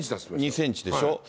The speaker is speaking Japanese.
２センチでしょう。